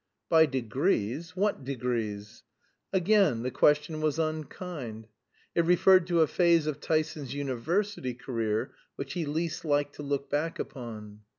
"By degrees? What degrees?" Again the question was unkind. It referred to a phase of Tyson's university career which he least liked to look back upon.